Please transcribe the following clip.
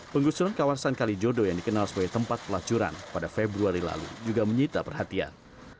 penggusuran kawasan kalijodo yang dikenal sebagai tempat pelacuran pada februari lalu juga menyita perhatian